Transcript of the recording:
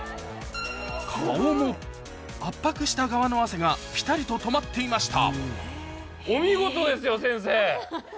顔も圧迫した側の汗がぴたりと止まっていました